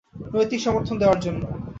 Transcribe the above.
নৈতিক সমর্থন দেওয়ার জন্য।